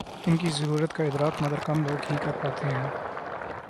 ان کی ضرورت کا ادراک مگر کم لوگ ہی کر پاتے ہیں۔